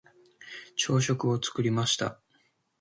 朝食を作りました。